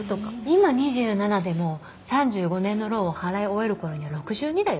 今２７でも３５年のローンを払い終える頃には６２だよ？